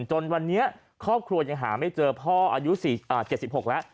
จนวันนี้ครอบครัวยังหาไม่เจอพ่ออายุ๗๖แล้ว